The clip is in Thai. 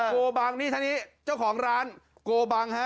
โกบังนี่ตอนนี้เจ้าของร้าน